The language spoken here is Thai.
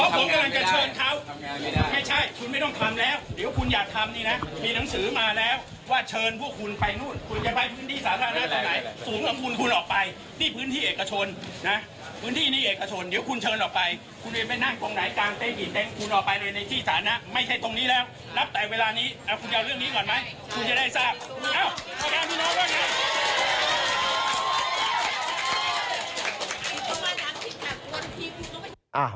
ผมจะได้ทราบ